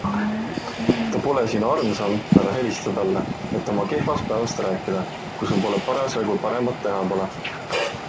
Ta pole sinu armsam, ära helista talle, et oma kehvast päevast rääkida, kui sul parasjagu paremat teha pole.